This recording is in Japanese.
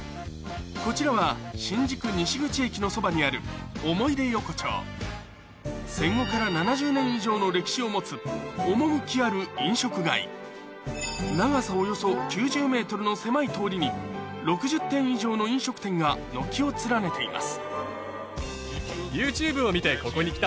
こちらは新宿西口駅のそばにあるを持つ趣ある飲食街長さおよそ９０ｍの狭い通りに６０店以上の飲食店が軒を連ねています